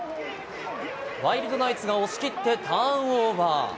ワイルドナイツが押しきってターンオーバー。